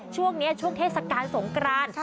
ช่วงนี้ช่วงเทศกาลสงกราน